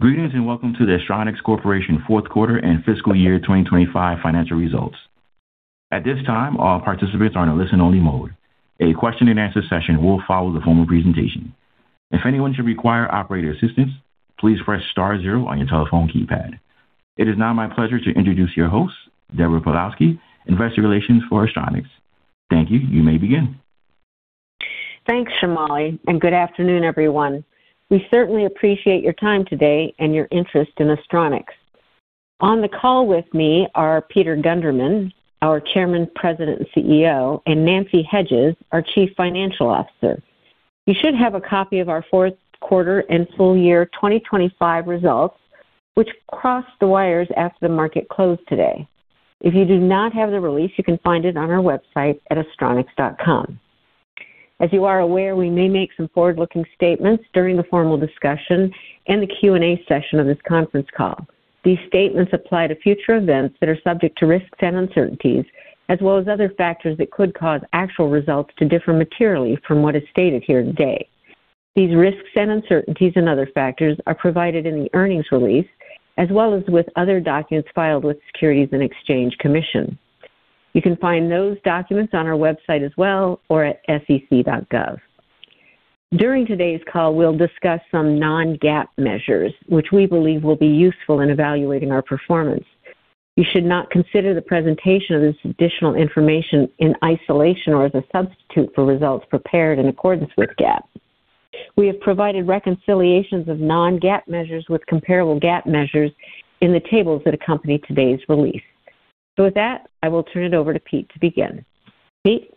Greetings, welcome to the Astronics Corporation fourth quarter and fiscal year 2025 financial results. At this time, all participants are in a listen-only mode. A question-and-answer session will follow the formal presentation. If anyone should require operator assistance, please press star zero on your telephone keypad. It is now my pleasure to introduce your host, Deborah Pawlowski, Investor Relations for Astronics. Thank you. You may begin. Thanks, Shamali. Good afternoon, everyone. We certainly appreciate your time today and your interest in Astronics. On the call with me are Peter Gundermann, our Chairman, President, and CEO, and Nancy Hedges, our Chief Financial Officer. You should have a copy of our fourth quarter and full-year 2025 results, which crossed the wires after the market closed today. If you do not have the release, you can find it on our website at astronics.com. As you are aware, we may make some forward-looking statements during the formal discussion and the Q&A session of this conference call. These statements apply to future events that are subject to risks and uncertainties, as well as other factors that could cause actual results to differ materially from what is stated here today. These risks and uncertainties and other factors are provided in the earnings release, as well as with other documents filed with the Securities and Exchange Commission. You can find those documents on our website as well, or at SEC.gov. During today's call, we'll discuss some non-GAAP measures, which we believe will be useful in evaluating our performance. You should not consider the presentation of this additional information in isolation or as a substitute for results prepared in accordance with GAAP. We have provided reconciliations of non-GAAP measures with comparable GAAP measures in the tables that accompany today's release. With that, I will turn it over to Pete to begin. Pete?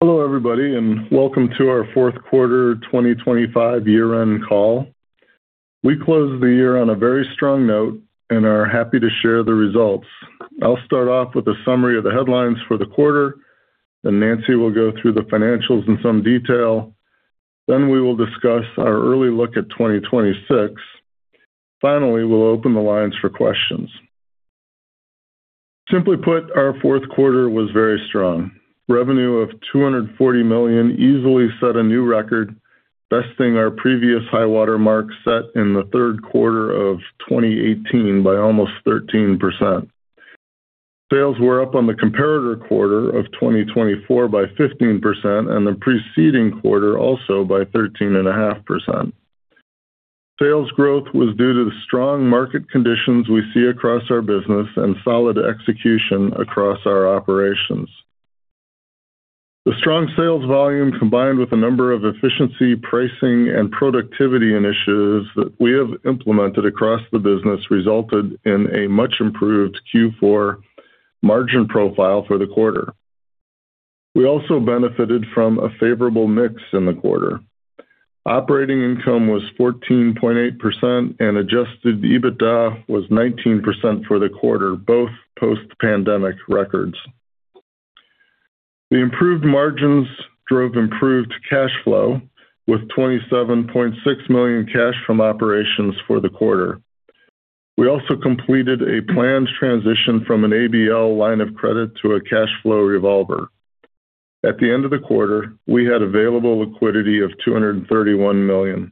Hello, everybody, welcome to our fourth quarter 2025 year-end call. We closed the year on a very strong note and are happy to share the results. I'll start off with a summary of the headlines for the quarter, Nancy will go through the financials in some detail. We will discuss our early look at 2026. Finally, we'll open the lines for questions. Simply put, our fourth quarter was very strong. Revenue of $240 million easily set a new record, besting our previous high-water mark set in the third quarter of 2018 by almost 13%. Sales were up on the comparator quarter of 2024 by 15%, and the preceding quarter also by 13.5%. Sales growth was due to the strong market conditions we see across our business and solid execution across our operations. The strong sales volume, combined with a number of efficiency, pricing, and productivity initiatives that we have implemented across the business, resulted in a much-improved Q4 margin profile for the quarter. We also benefited from a favorable mix in the quarter. Operating income was 14.8%, and adjusted EBITDA was 19% for the quarter, both post-pandemic records. The improved margins drove improved cash flow, with $27.6 million cash from operations for the quarter. We also completed a planned transition from an ABL line of credit to a cash flow revolver. At the end of the quarter, we had available liquidity of $231 million.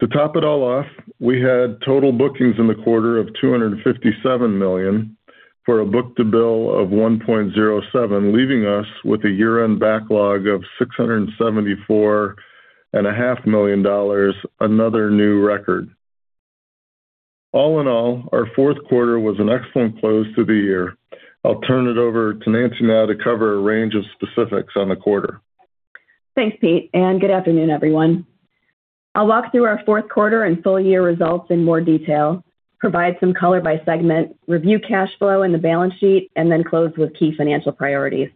To top it all off, we had total bookings in the quarter of $257 million for a book-to-bill of 1.07, leaving us with a year-end backlog of $674,000 and a $500,000, another new record. All in all, our fourth quarter was an excellent close to the year. I'll turn it over to Nancy now to cover a range of specifics on the quarter. Thanks, Pete. Good afternoon, everyone. I'll walk through our fourth quarter and full-year results in more detail, provide some color by segment, review cash flow and the balance sheet, and then close with key financial priorities.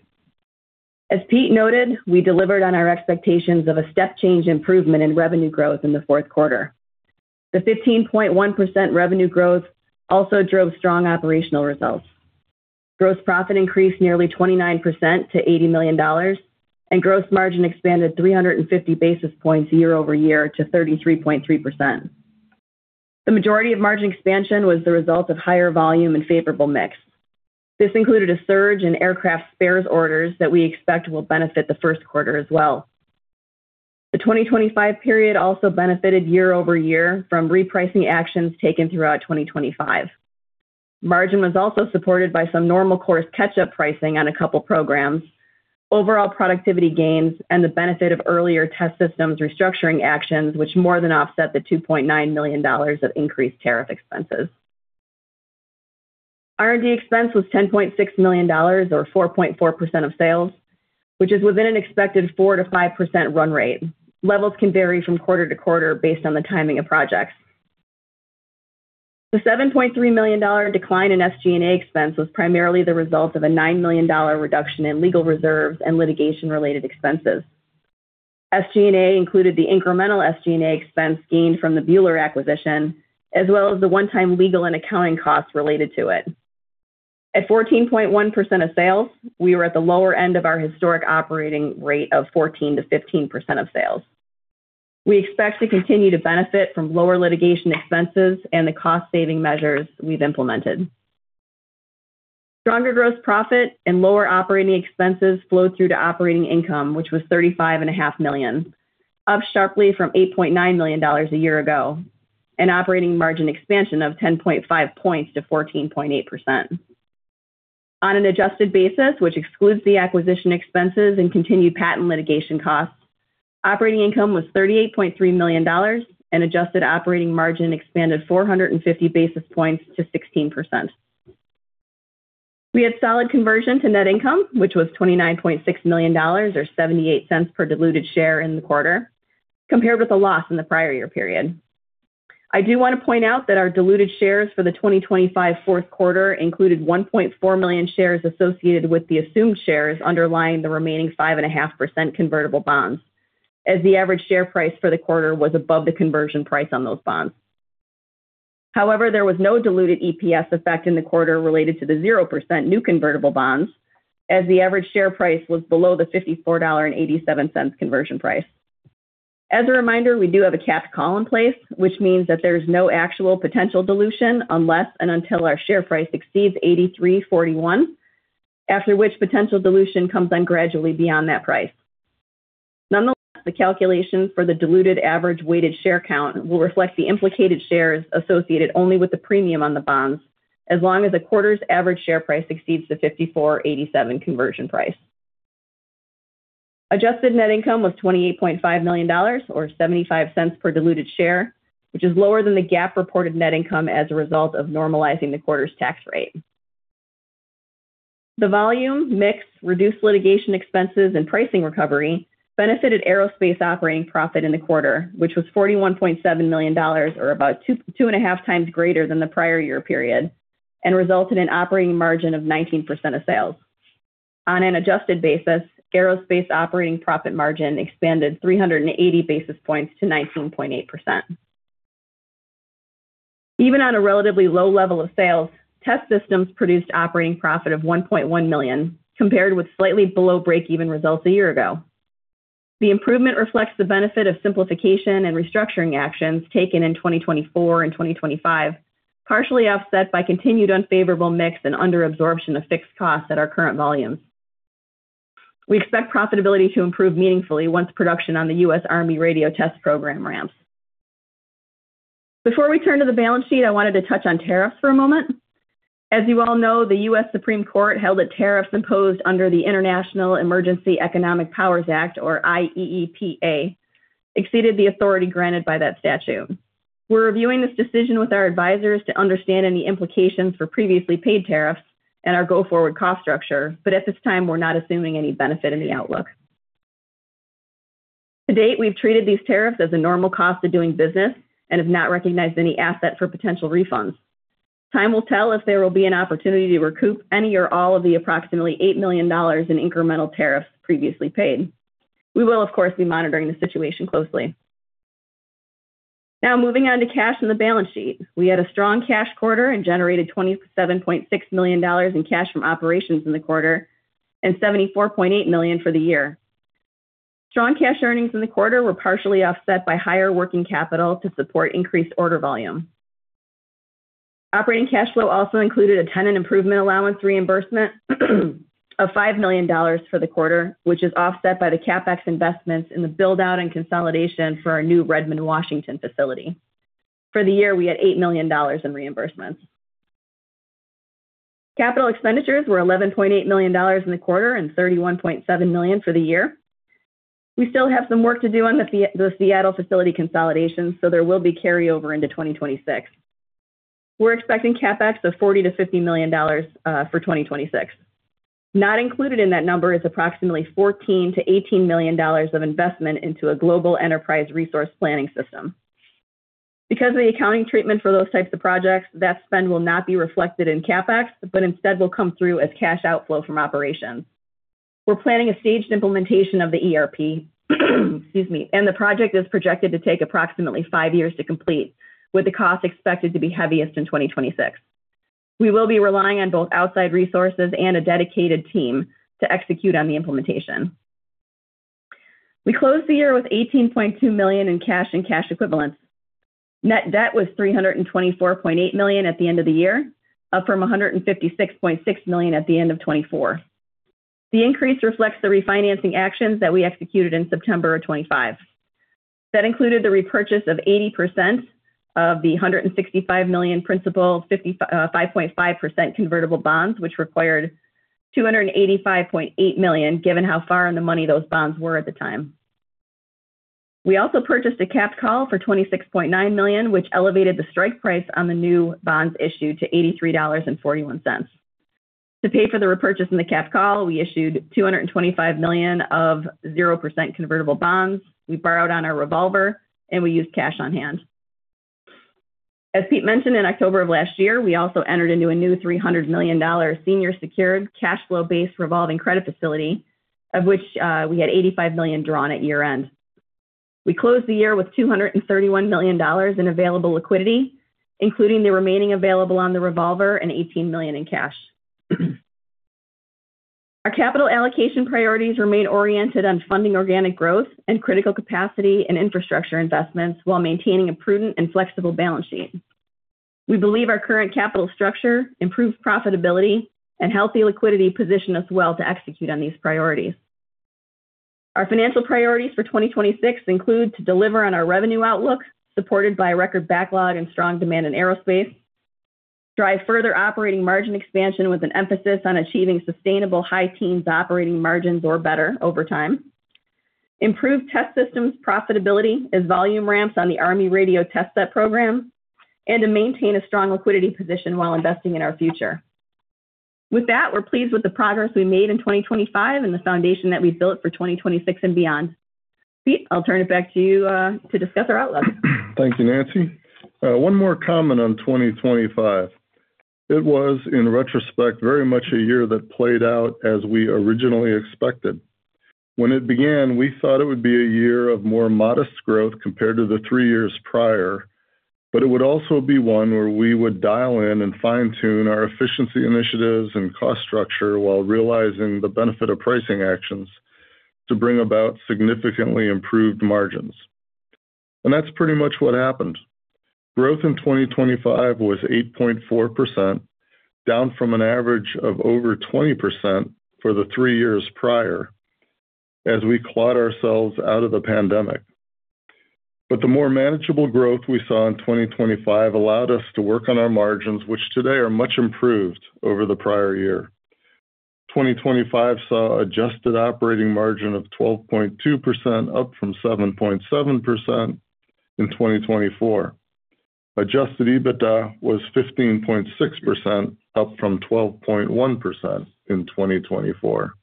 As Pete noted, we delivered on our expectations of a step-change improvement in revenue growth in the fourth quarter. The 15.1% revenue growth also drove strong operational results. Gross profit increased nearly 29% to $80 million, and gross margin expanded 350 basis points year-over-year to 33.3%. The majority of margin expansion was the result of higher volume and favorable mix. This included a surge in aircraft spares orders that we expect will benefit the first quarter as well. The 2025 period also benefited year-over-year from repricing actions taken throughout 2025. Margin was also supported by some normal course catch-up pricing on a couple programs, overall productivity gains, and the benefit of earlier test systems restructuring actions, which more than offset the $2.9 million of increased tariff expenses. R&D expense was $10.6 million, or 4.4% of sales, which is within an expected 4%-5% run rate. Levels can vary from quarter to quarter based on the timing of projects. The $7.3 million decline in SG&A expense was primarily the result of a $9 million reduction in legal reserves and litigation-related expenses. SG&A included the incremental SG&A expense gained from the Bühler acquisition, as well as the one-time legal and accounting costs related to it. At 14.1% of sales, we were at the lower end of our historic operating rate of 14%-15% of sales. We expect to continue to benefit from lower litigation expenses and the cost-saving measures we've implemented. Stronger gross profit and lower operating expenses flowed through to operating income, which was $35.5 million, up sharply from $8.9 million a year ago, an operating margin expansion of 10.5 points to 14.8%. On an adjusted basis, which excludes the acquisition expenses and continued patent litigation costs, operating income was $38.3 million, and adjusted operating margin expanded 450 basis points to 16%. We had solid conversion to net income, which was $29.6 million, or $0.78 per diluted share in the quarter, compared with a loss in the prior year period. I do want to point out that our diluted shares for the 2025 fourth quarter included 1.4 million shares associated with the assumed shares underlying the remaining 5.5% convertible bonds, as the average share price for the quarter was above the conversion price on those bonds. However, there was no diluted EPS effect in the quarter related to the 0% new convertible bonds, as the average share price was below the $54.87 conversion price. As a reminder, we do have a capped call in place, which means that there is no actual potential dilution unless and until our share price exceeds $83.41, after which potential dilution comes on gradually beyond that price. Nonetheless, the calculation for the diluted average weighted share count will reflect the implicated shares associated only with the premium on the bonds, as long as the quarter's average share price exceeds the $54.87 conversion price. Adjusted net income was $28.5 million, or $0.75 per diluted share, which is lower than the GAAP-reported net income as a result of normalizing the quarter's tax rate. The volume, mix, reduced litigation expenses, and pricing recovery benefited aerospace operating profit in the quarter, which was $41.7 million, or about 2.5x greater than the prior year period, and resulted in operating margin of 19% of sales. On an adjusted basis, aerospace operating profit margin expanded 380 basis points to 19.8%. Even on a relatively low level of sales, test systems produced operating profit of $1.1 million, compared with slightly below break-even results a year ago. The improvement reflects the benefit of simplification and restructuring actions taken in 2024 and 2025, partially offset by continued unfavorable mix and under-absorption of fixed costs at our current volumes. We expect profitability to improve meaningfully once production on the U.S. Army Radio Test Program ramps. Before we turn to the balance sheet, I wanted to touch on tariffs for a moment. As you all know, the U.S. Supreme Court held that tariffs imposed under the International Emergency Economic Powers Act, or IEEPA, exceeded the authority granted by that statute. We're reviewing this decision with our advisors to understand any implications for previously paid tariffs and our go-forward cost structure, but at this time, we're not assuming any benefit in the outlook. To date, we've treated these tariffs as a normal cost of doing business and have not recognized any asset for potential refunds. Time will tell if there will be an opportunity to recoup any or all of the approximately $8 million in incremental tariffs previously paid. We will, of course, be monitoring the situation closely. Now, moving on to cash and the balance sheet. We had a strong cash quarter, generated $27.6 million in cash from operations in the quarter, and $74.8 million for the year. Strong cash earnings in the quarter were partially offset by higher working capital to support increased order volume. Operating cash flow also included a tenant improvement allowance reimbursement of $5 million for the quarter, which is offset by the CapEx investments in the build-out and consolidation for our new Redmond, Washington, facility. For the year, we had $8 million in reimbursements. Capital expenditures were $11.8 million in the quarter, and $31.7 million for the year. We still have some work to do on the Seattle facility consolidation, there will be carryover into 2026. We're expecting CapEx of $40 million-$50 million for 2026. Not included in that number is approximately $14 million-$18 million of investment into a global Enterprise Resource Planning system. Because of the accounting treatment for those types of projects, that spend will not be reflected in CapEx, but instead will come through as cash outflow from operations. We're planning a staged implementation of the ERP, excuse me, and the project is projected to take approximately five years to complete, with the cost expected to be heaviest in 2026. We will be relying on both outside resources and a dedicated team to execute on the implementation. We closed the year with $18.2 million in cash and cash equivalents. Net debt was $324.8 million at the end of the year, up from $156.6 million at the end of 2024. The increase reflects the refinancing actions that we executed in September of 2025. That included the repurchase of 80% of the $165 million principal, 5.5% convertible bonds, which required $285.8 million, given how far in the money those bonds were at the time. We also purchased a capped call for $26.9 million, which elevated the strike price on the new bonds issued to $83.41. To pay for the repurchase in the capped call, we issued $225 million of 0% convertible bonds. We borrowed on our revolver, we used cash on hand. As Pete mentioned, in October of last year, we also entered into a new $300 million senior secured cash flow-based revolving credit facility, of which we had $85 million drawn at year-end. We closed the year with $231 million in available liquidity, including the remaining available on the revolver and $18 million in cash. Our capital allocation priorities remain oriented on funding organic growth and critical capacity and infrastructure investments while maintaining a prudent and flexible balance sheet. We believe our current capital structure, improved profitability, and healthy liquidity position us well to execute on these priorities. Our financial priorities for 2026 include: to deliver on our revenue outlook, supported by a record backlog and strong demand in aerospace; drive further operating margin expansion with an emphasis on achieving sustainable high teens operating margins or better over time; improve test systems profitability as volume ramps on the Army Radio Test Set Program; and to maintain a strong liquidity position while investing in our future. With that, we're pleased with the progress we made in 2025 and the foundation that we built for 2026 and beyond. Pete, I'll turn it back to you, to discuss our outlook. Thank you, Nancy. One more comment on 2025. It was, in retrospect, very much a year that played out as we originally expected. When it began, we thought it would be a year of more modest growth compared to the three years prior, but it would also be one where we would dial in and fine-tune our efficiency initiatives and cost structure while realizing the benefit of pricing actions to bring about significantly improved margins. That's pretty much what happened. Growth in 2025 was 8.4%, down from an average of over 20% for the three years prior, as we clawed ourselves out of the pandemic. The more manageable growth we saw in 2025 allowed us to work on our margins, which today are much improved over the prior year. 2025 saw adjusted operating margin of 12.2%, up from 7.7% in 2024. Adjusted EBITDA was 15.6%, up from 12.1% in 2024.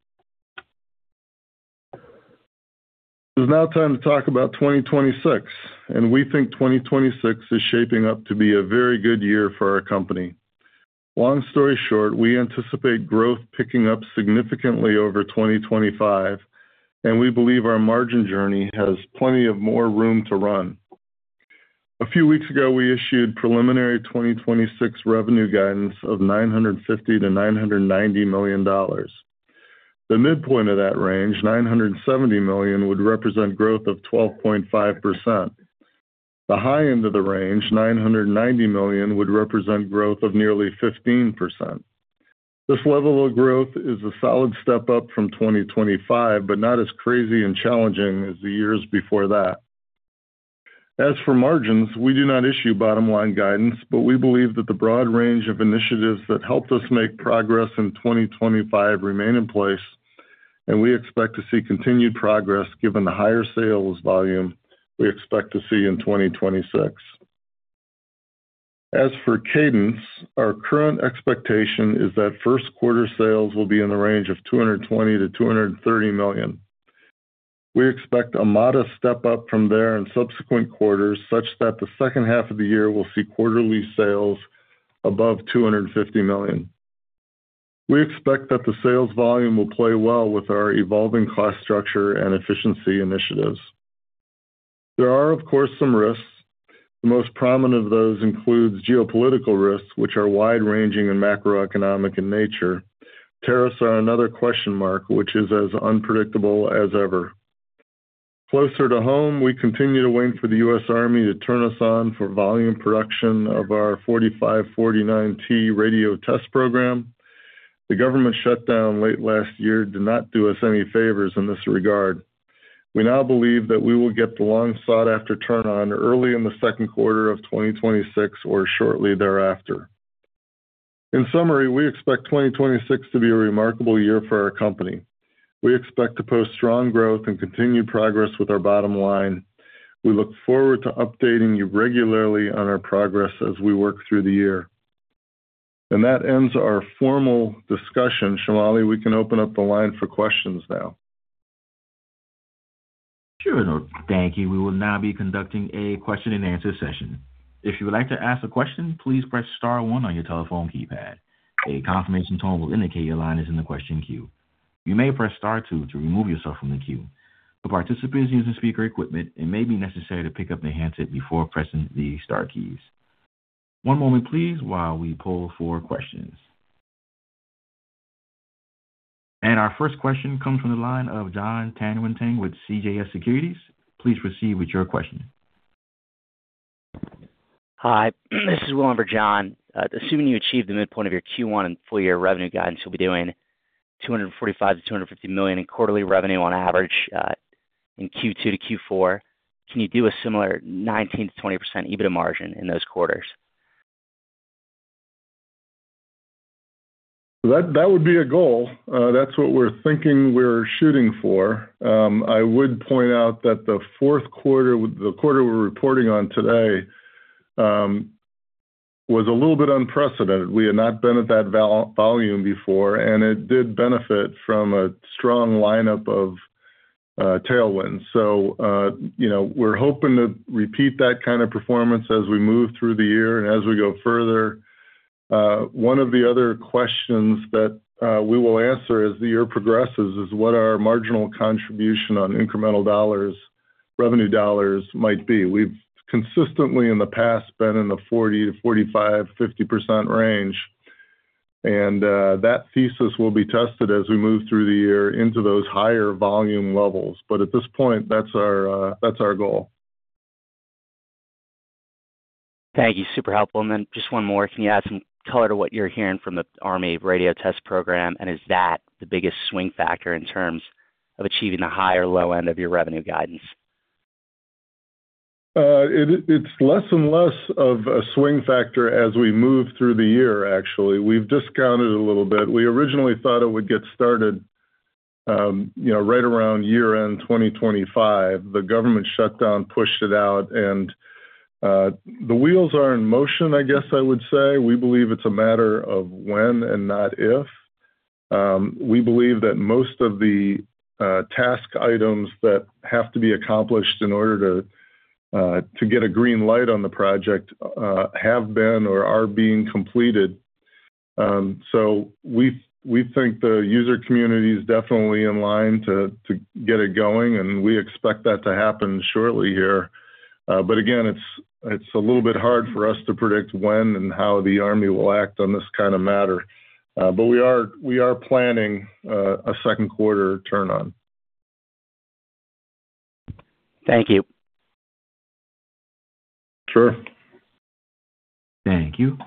It's now time to talk about 2026. We think 2026 is shaping up to be a very good year for our company. Long story short, we anticipate growth picking up significantly over 2025. We believe our margin journey has plenty of more room to run. A few weeks ago, we issued preliminary 2026 revenue guidance of $950 million-$990 million. The midpoint of that range, $970 million, would represent growth of 12.5%. The high end of the range, $990 million, would represent growth of nearly 15%. This level of growth is a solid step up from 2025, but not as crazy and challenging as the years before that. As for margins, we do not issue bottom-line guidance, but we believe that the broad range of initiatives that helped us make progress in 2025 remain in place, and we expect to see continued progress given the higher sales volume we expect to see in 2026. As for cadence, our current expectation is that first quarter sales will be in the range of $220 million-$230 million. We expect a modest step-up from there in subsequent quarters, such that the second half of the year will see quarterly sales above $250 million. We expect that the sales volume will play well with our evolving cost structure and efficiency initiatives. There are, of course, some risks. The most prominent of those includes geopolitical risks, which are wide-ranging and macroeconomic in nature. Tariffs are another question mark, which is as unpredictable as ever. Closer to home, we continue to wait for the U.S. Army to turn us on for volume production of our TS-4549/T Radio Test Program. The government shutdown late last year did not do us any favors in this regard. We now believe that we will get the long-sought-after turn on early in the second quarter of 2026 or shortly thereafter. In summary, we expect 2026 to be a remarkable year for our company. We expect to post strong growth and continued progress with our bottom line. We look forward to updating you regularly on our progress as we work through the year. That ends our formal discussion. Shamali, we can open up the line for questions now. Sure, thank you. We will now be conducting a question-and-answer session. If you would like to ask a question, please press star one on your telephone keypad. A confirmation tone will indicate your line is in the question queue. You may press star two to remove yourself from the queue. For participants using speaker equipment, it may be necessary to pick up the handset before pressing the star keys. One moment, please, while we pull for questions. Our first question comes from the line of Jon Tanwanteng with CJS Securities. Please proceed with your question. Hi, this is William for John. Assuming you achieved the midpoint of your Q1 and full-year revenue guidance, you'll be doing $245 million-$250 million in quarterly revenue on average in Q2 to Q4. Can you do a similar 19%-20% EBITDA margin in those quarters? That would be a goal. That's what we're thinking we're shooting for. I would point out that the fourth quarter, the quarter we're reporting on today, was a little bit unprecedented. We had not been at that volume before, and it did benefit from a strong lineup of tailwinds. You know, we're hoping to repeat that kind of performance as we move through the year and as we go further. One of the other questions that we will answer as the year progresses is what our marginal contribution on incremental revenue dollars might be. We've consistently, in the past, been in the 40% to 45%, 50% range, and that thesis will be tested as we move through the year into those higher volume levels. At this point, that's our goal. Thank you. Super helpful. Just one more. Can you add some color to what you're hearing from the Army Radio Test Program? Is that the biggest swing factor in terms of achieving the high or low end of your revenue guidance? It's less and less of a swing factor as we move through the year, actually. We've discounted a little bit. We originally thought it would get started, you know, right around year-end, 2025. The government shutdown pushed it out, and the wheels are in motion, I guess I would say. We believe it's a matter of when and not if. We believe that most of the task items that have to be accomplished in order to get a green light on the project have been or are being completed. We think the user community is definitely in line to get it going, and we expect that to happen shortly here. Again, it's a little bit hard for us to predict when and how the Army will act on this kind of matter. We are planning a second quarter turn on. Thank you. Sure. Thank you.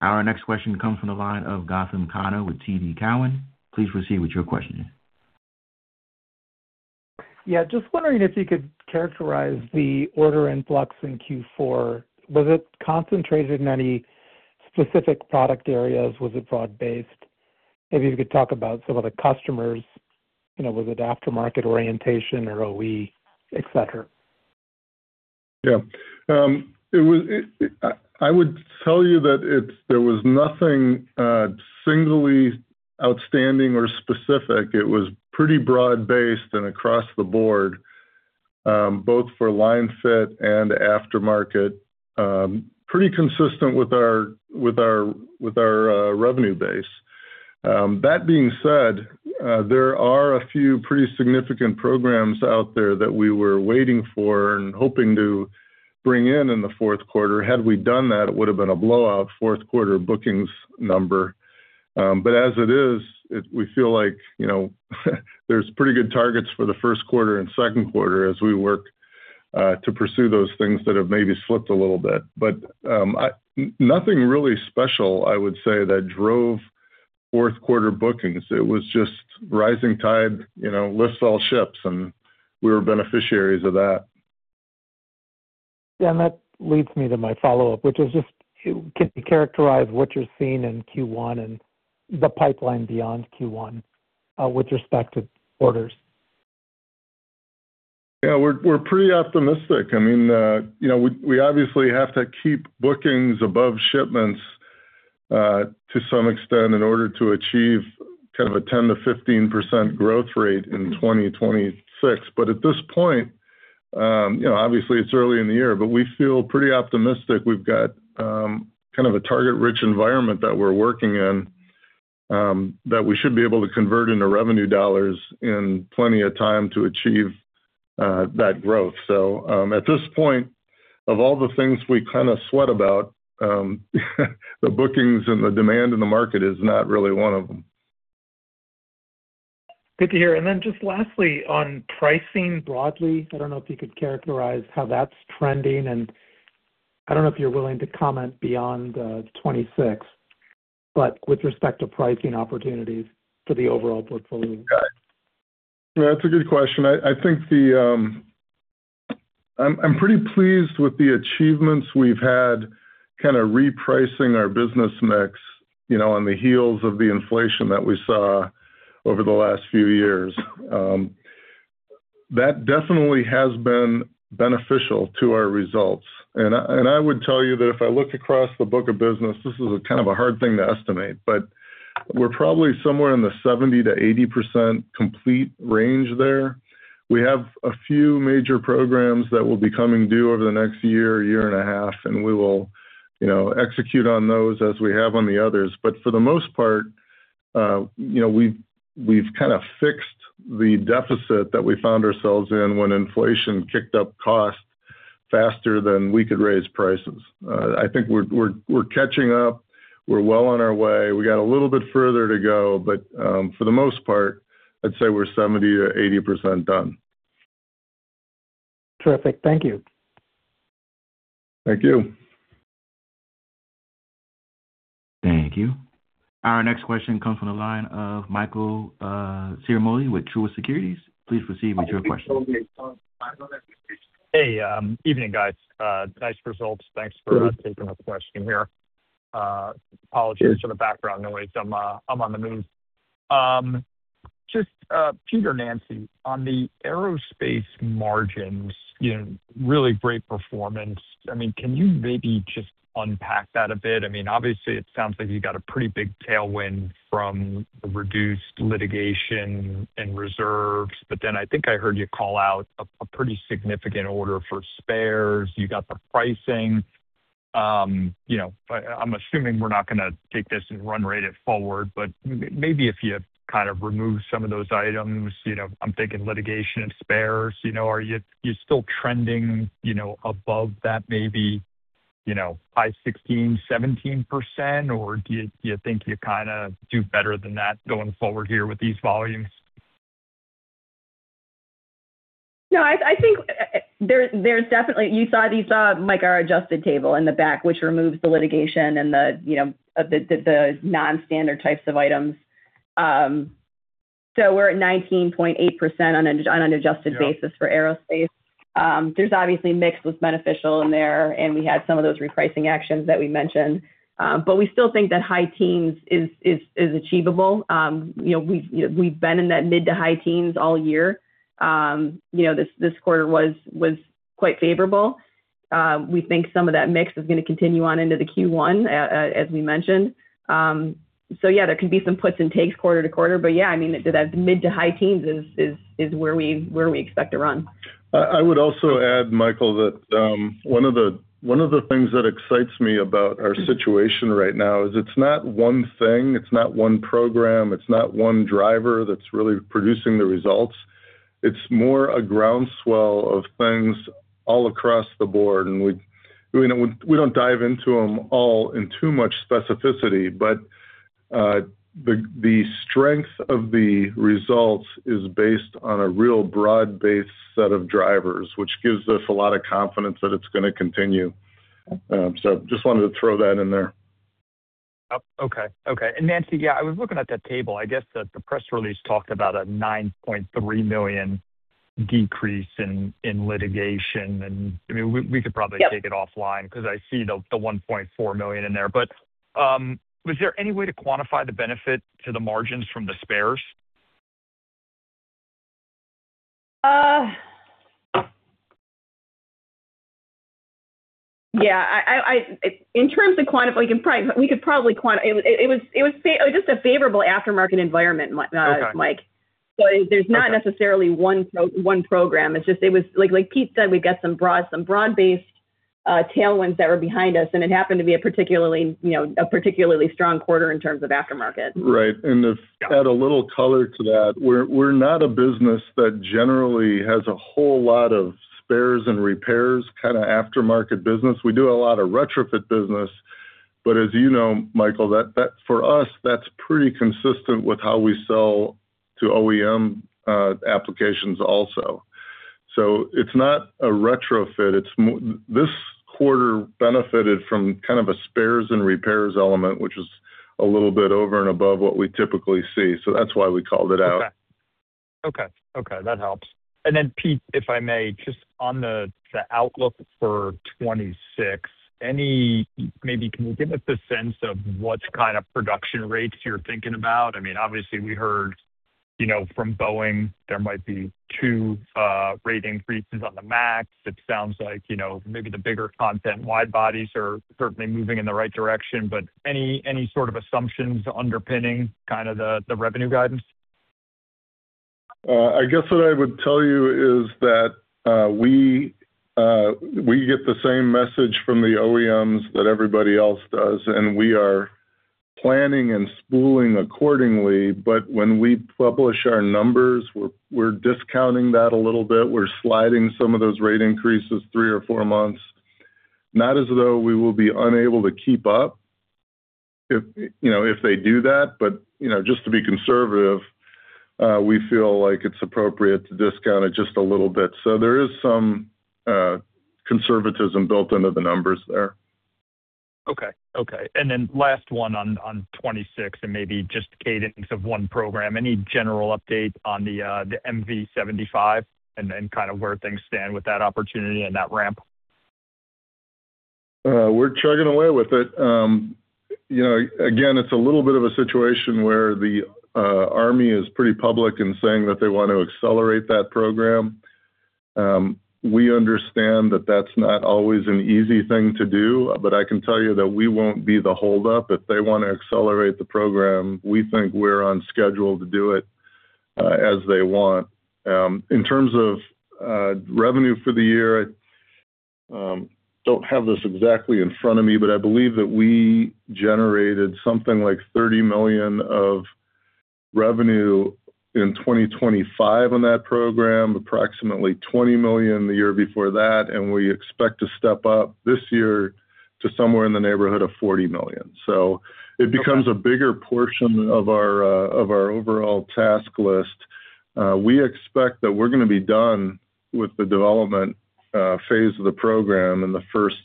Our next question comes from the line of Gautam Khanna with TD Cowen. Please proceed with your question. Yeah, just wondering if you could characterize the order influx in Q4. Was it concentrated in any specific product areas? Was it broad-based? If you could talk about some of the customers, you know, was it aftermarket orientation or OE, et cetera? Yeah. I would tell you that it's, there was nothing singly outstanding or specific. It was pretty broad-based and across the board, both for line fit and aftermarket. Pretty consistent with our revenue base. That being said, there are a few pretty significant programs out there that we were waiting for and hoping to bring in in the fourth quarter. Had we done that, it would have been a blowout fourth quarter bookings number. As it is, we feel like, you know, there's pretty good targets for the first quarter and second quarter as we work to pursue those things that have maybe slipped a little bit. Nothing really special, I would say, that drove fourth quarter bookings. It was just rising tide, you know, lifts all ships, and we were beneficiaries of that. That leads me to my follow-up, which is just, can you characterize what you're seeing in Q1 and the pipeline beyond Q1, with respect to orders? Yeah, we're pretty optimistic. I mean, you know, we obviously have to keep bookings above shipments to some extent in order to achieve kind of a 10%-15% growth rate in 2026. At this point, you know, obviously it's early in the year, but we feel pretty optimistic. We've got kind of a target-rich environment that we're working in that we should be able to convert into revenue dollars in plenty of time to achieve that growth. At this point, of all the things we kinda sweat about, the bookings and the demand in the market is not really one of them. Good to hear. Just lastly, on pricing broadly, I don't know if you could characterize how that's trending, and I don't know if you're willing to comment beyond 2026, but with respect to pricing opportunities for the overall portfolio? That's a good question. I think the... I'm pretty pleased with the achievements we've had, kind of repricing our business mix, you know, on the heels of the inflation that we saw over the last few years. That definitely has been beneficial to our results. I would tell you that if I looked across the book of business, this is kind of a hard thing to estimate, but we're probably somewhere in the 70%-80% complete range there. We have a few major programs that will be coming due over the next year and a half, and we will, you know, execute on those as we have on the others. For the most part, you know, we've kind of fixed the deficit that we found ourselves in when inflation kicked up costs faster than we could raise prices. I think we're catching up. We're well on our way. We got a little bit further to go, for the most part, I'd say we're 70% to 80% done. Terrific. Thank you. Thank you. Thank you. Our next question comes from the line of Michael Ciarmoli with Truist Securities. Please proceed with your question. Hey, evening, guys. Nice results. Sure. -taking a question here. Apologies for the background noise. I'm on the move. Just, Peter, Nancy, on the aerospace margins, you know, really great performance. I mean, can you maybe just unpack that a bit? I mean, obviously, it sounds like you got a pretty big tailwind from the reduced litigation and reserves, but then I think I heard you call out a pretty significant order for spares. You got the pricing.... You know, I'm assuming we're not gonna take this and run rate it forward, but maybe if you kind of remove some of those items, you know, I'm thinking litigation and spares, you know, are you still trending, you know, above that maybe, you know, 5%, 16%, 17%? Or do you think you kind of do better than that going forward here with these volumes? No, I think there's definitely, you saw these, Mike, our adjusted table in the back, which removes the litigation and the, you know, the non-standard types of items. We're at 19.8% on an adjusted basis for aerospace. There's obviously mix was beneficial in there, and we had some of those repricing actions that we mentioned. We still think that high teens is achievable. You know, we've been in that mid to high teens all year. You know, this quarter was quite favorable. We think some of that mix is gonna continue on into the Q1 as we mentioned. Yeah, there could be some puts and takes quarter to quarter, but yeah, I mean, the mid to high teens is where we expect to run. I would also add, Michael, that one of the things that excites me about our situation right now is it's not one thing, it's not one program, it's not one driver that's really producing the results. It's more a groundswell of things all across the board, and we, you know, we don't dive into them all in too much specificity, but the strength of the results is based on a real broad-based set of drivers, which gives us a lot of confidence that it's gonna continue. Just wanted to throw that in there. Oh, okay. Okay, Nancy, yeah, I was looking at that table. I guess the press release talked about a $9.3 million decrease in litigation. I mean, we could probably- Yep. take it offline because I see the $1.4 million in there. Was there any way to quantify the benefit to the margins from the spares? Yeah, it was just a favorable aftermarket environment, Mike. Okay. There's not necessarily one program. It's just, like Pete said, we've got some broad-based tailwinds that were behind us, and it happened to be a particularly, you know, a particularly strong quarter in terms of aftermarket. Right, to add a little color to that, we're not a business that generally has a whole lot of spares and repairs, kind of aftermarket business. We do a lot of retrofit business, but as you know, Michael, that, for us, that's pretty consistent with how we sell to OEM applications also. It's not a retrofit, this quarter benefited from kind of a spares and repairs element, which is a little bit over and above what we typically see, so that's why we called it out. Okay. Okay, that helps. Pete, if I may, just on the outlook for 2026, can you give us a sense of what kind of production rates you're thinking about? I mean, obviously we heard, you know, from Boeing, there might be two rate increases on the MAX. It sounds like, you know, maybe the bigger content, wide bodies are certainly moving in the right direction, but any sort of assumptions underpinning kind of the revenue guidance? I guess what I would tell you is that we get the same message from the OEMs that everybody else does, and we are planning and spooling accordingly. When we publish our numbers, we're discounting that a little bit. We're sliding some of those rate increases three or four months. Not as though we will be unable to keep up if, you know, if they do that, but, you know, just to be conservative, we feel like it's appropriate to discount it just a little bit. There is some conservatism built into the numbers there. Okay. Okay, last one on 2026 and maybe just cadence of one program. Any general update on the MV-75, and then kind of where things stand with that opportunity and that ramp? We're chugging away with it. You know, again, it's a little bit of a situation where the U.S. Army is pretty public in saying that they want to accelerate that program. We understand that that's not always an easy thing to do, but I can tell you that we won't be the holdup. If they want to accelerate the program, we think we're on schedule to do it, as they want. In terms of revenue for the year, don't have this exactly in front of me, but I believe that we generated something like $30 million of revenue in 2025 on that program, approximately $20 million the year before that, and we expect to step up this year to somewhere in the neighborhood of $40 million. Okay. It becomes a bigger portion of our, of our overall task list. We expect that we're gonna be done with the development, phase of the program in the first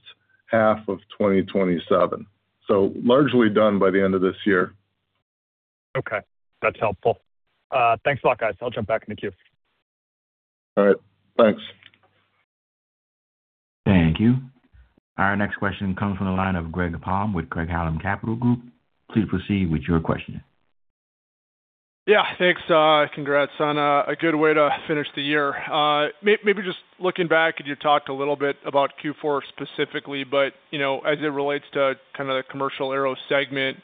half of 2027. Largely done by the end of this year. Okay, that's helpful. Thanks a lot, guys. I'll jump back in the queue. All right. Thanks. Thank you. Our next question comes from the line of Greg Palm with Craig-Hallum Capital Group. Please proceed with your question. Thanks. Congrats on a good way to finish the year. Maybe just looking back, and you talked a little bit about Q4 specifically, you know, as it relates to kind of the commercial aero segment. You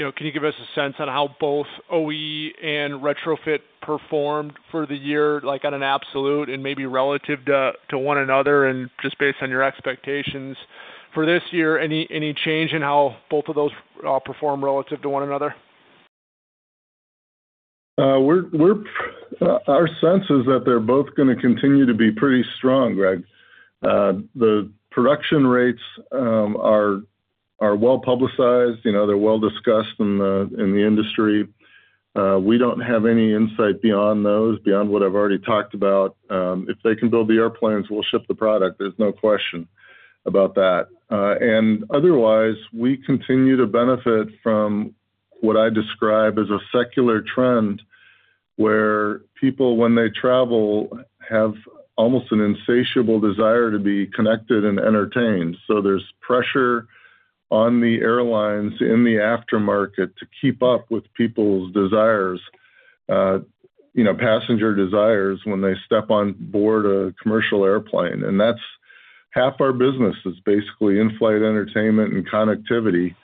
know, can you give us a sense on how both OE and retrofit performed for the year, like, on an absolute and maybe relative to one another, and just based on your expectations for this year, any change in how both of those perform relative to one another? Our sense is that they're both gonna continue to be pretty strong, Greg. The production rates are well publicized. You know, they're well discussed in the industry. We don't have any insight beyond those, beyond what I've already talked about. If they can build the airplanes, we'll ship the product. There's no question about that. Otherwise, we continue to benefit from what I describe as a secular trend, where people, when they travel, have almost an insatiable desire to be connected and entertained. There's pressure on the airlines in the aftermarket to keep up with people's desires, you know, passenger desires when they step on board a commercial airplane. That's half our business is basically in-flight entertainment and connectivity,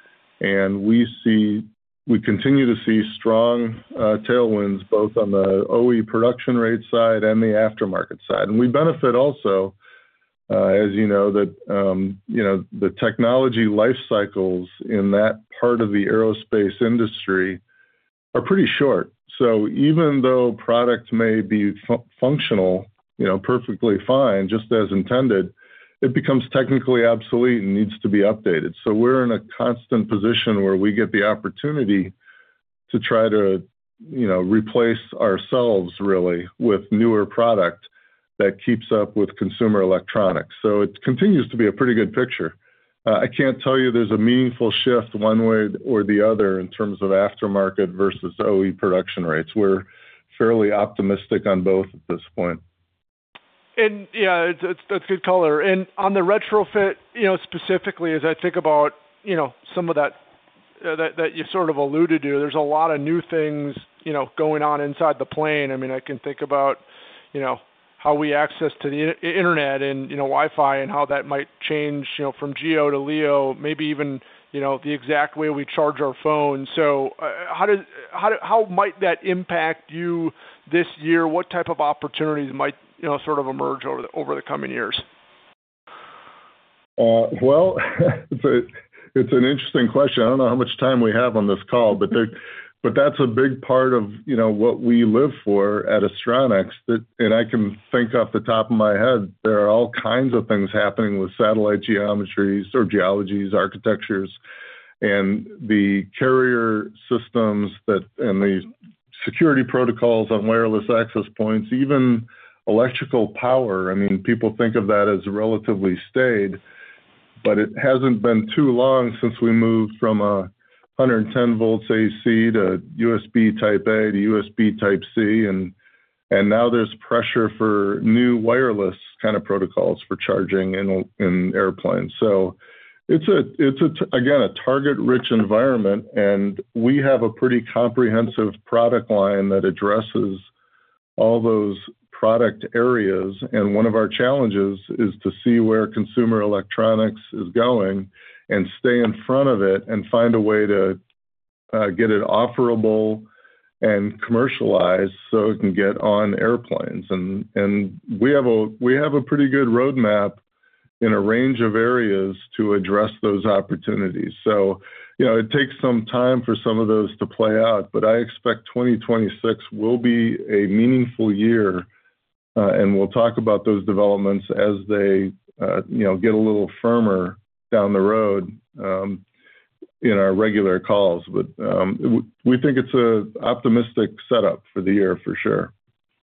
and we continue to see strong tailwinds, both on the OE production rate side and the aftermarket side. We benefit also, as you know, that, you know, the technology life cycles in that part of the aerospace industry are pretty short. Even though products may be functional, you know, perfectly fine, just as intended, it becomes technically absolute and needs to be updated. We're in a constant position where we get the opportunity to try to, you know, replace ourselves, really, with newer product that keeps up with consumer electronics. It continues to be a pretty good picture. I can't tell you there's a meaningful shift one way or the other in terms of aftermarket versus OE production rates. We're fairly optimistic on both at this point. Yeah, it's, that's good color. On the retrofit, you know, specifically, as I think about, you know, some of that you sort of alluded to, there's a lot of new things, you know, going on inside the plane. I mean, I can think about, you know, how we access to the internet and, you know, Wi-Fi, and how that might change, you know, from GEO to LEO, maybe even, you know, the exact way we charge our phones. How might that impact you this year? What type of opportunities might, you know, sort of emerge over the coming years? Well, it's an interesting question. I don't know how much time we have on this call, but that's a big part of, you know, what we live for at Astronics. I can think off the top of my head, there are all kinds of things happening with satellite geometries or geologies, architectures, and the carrier systems. The security protocols on wireless access points, even electrical power. I mean, people think of that as relatively staid, but it hasn't been too long since we moved from 110 V AC to USB Type-A to USB Type-C, and now there's pressure for new wireless kind of protocols for charging in airplanes. It's again a target-rich environment, and we have a pretty comprehensive product line that addresses all those product areas. One of our challenges is to see where consumer electronics is going and stay in front of it and find a way to get it offerable and commercialized so it can get on airplanes. We have a pretty good roadmap in a range of areas to address those opportunities. You know, it takes some time for some of those to play out, but I expect 2026 will be a meaningful year, and we'll talk about those developments as they, you know, get a little firmer down the road, in our regular calls. We think it's an optimistic setup for the year for sure.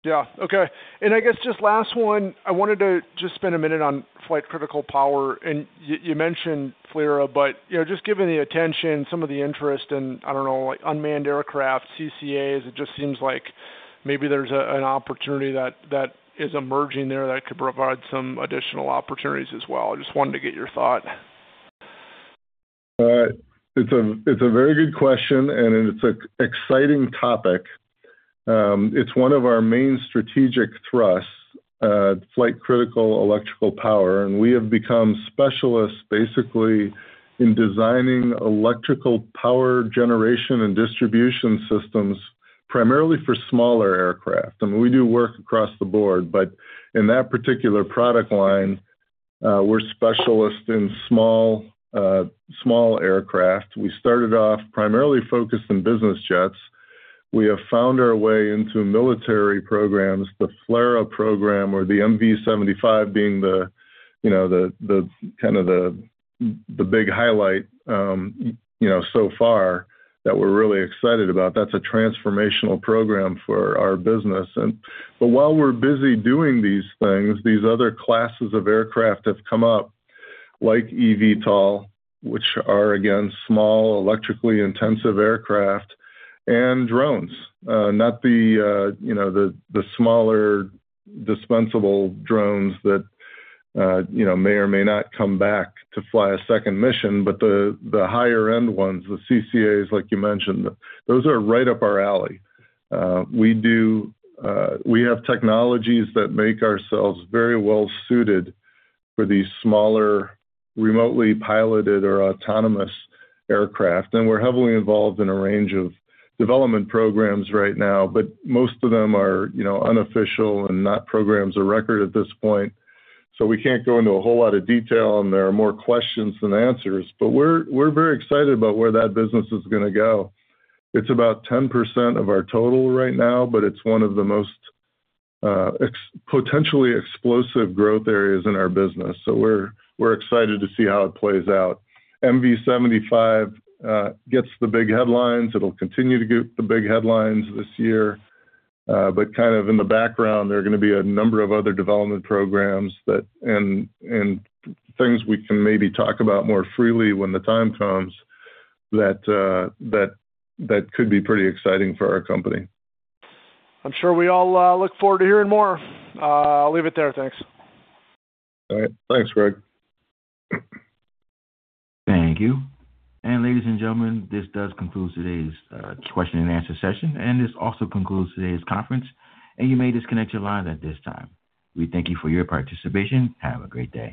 Yeah. Okay. I guess just last one, I wanted to just spend a minute on flight critical power, and you mentioned FLRAA, but, you know, just given the attention, some of the interest in, I don't know, like, unmanned aircraft, CCAs, it just seems like maybe there's a, an opportunity that is emerging there that could provide some additional opportunities as well. I just wanted to get your thought. It's a very good question, and it's an exciting topic. It's one of our main strategic thrusts, flight critical electrical power, and we have become specialists, basically, in designing electrical power generation and distribution systems, primarily for smaller aircraft. I mean, we do work across the board, but in that particular product line, we're specialists in small aircraft. We started off primarily focused on business jets. We have found our way into military programs, the FLRAA program or the MV-75 being the, you know, the kind of the big highlight, you know, so far that we're really excited about. That's a transformational program for our business. While we're busy doing these things, these other classes of aircraft have come up, like eVTOL, which are, again, small, electrically intensive aircraft and drones. Not the, you know, the smaller dispensable drones that, you know, may or may not come back to fly a second mission, but the higher-end ones, the CCAs, like you mentioned, those are right up our alley. We have technologies that make ourselves very well suited for these smaller, remotely piloted or autonomous aircraft, and we're heavily involved in a range of development programs right now, but most of them are, you know, unofficial and not programs or record at this point. We can't go into a whole lot of detail, and there are more questions than answers, but we're very excited about where that business is gonna go. It's about 10% of our total right now. It's one of the most potentially explosive growth areas in our business. We're excited to see how it plays out. MV-75 gets the big headlines. It'll continue to get the big headlines this year. Kind of in the background, there are gonna be a number of other development programs that, and things we can maybe talk about more freely when the time comes, that could be pretty exciting for our company. I'm sure we all look forward to hearing more. I'll leave it there. Thanks. All right. Thanks, Greg. Thank you. Ladies and gentlemen, this does conclude today's question and answer session, and this also concludes today's conference, and you may disconnect your lines at this time. We thank you for your participation. Have a great day.